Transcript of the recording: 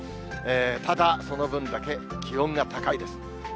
ただ、その分だけ気温が高いです。